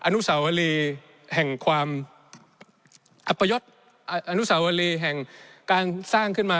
อนุสาวรีแห่งความอัปยศอนุสาวรีแห่งการสร้างขึ้นมา